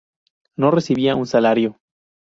No recibía un salario.